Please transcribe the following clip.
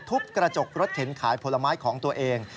ทุบกระจกรถเข็นขายผลไม้ของตัวเอง